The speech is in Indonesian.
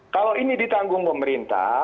kalau ini ditanggung pemerintah